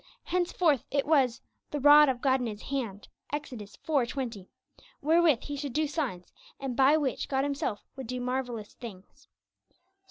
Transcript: Henceforth it was 'the rod of God in his hand' (Ex. iv. 20), wherewith he should do signs, and by which God Himself would do 'marvellous things' (Ps.